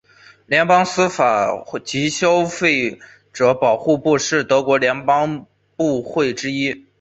联邦司法及消费者保护部是德国的联邦部会之一。